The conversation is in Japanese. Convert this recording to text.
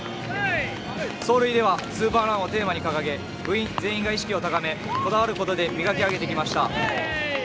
走塁では「ＳｕｐｅｒＲＵＮ」をテーマに掲げ、部員全員が意識を高めこだわることで磨き上げてきました。